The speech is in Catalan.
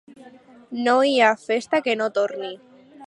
No hi ha festa que no torni.